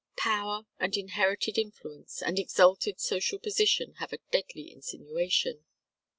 Power, and inherited influence, and exalted social position have a deadly insinuation.